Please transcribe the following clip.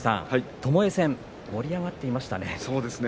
ともえ戦盛り上がっていましたね。